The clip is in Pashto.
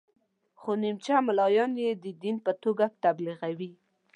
خو نیمچه ملایان یې د دین په توګه تبلیغوي.